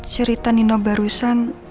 cerita nino barusan